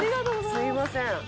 すみません。